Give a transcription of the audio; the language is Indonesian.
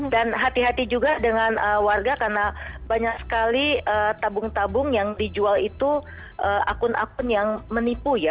dan hati hati juga dengan warga karena banyak sekali tabung tabung yang dijual itu akun akun yang menipu ya